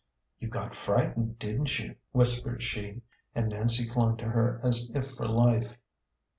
" You got frightened, didn't you ?" whispered she ; and Nancy clung to her as if for life.